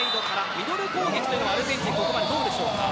ミドル攻撃アルゼンチンここまで、どうでしょうか。